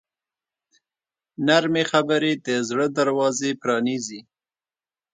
نرمې خبرې د زړه دروازې پرانیزي.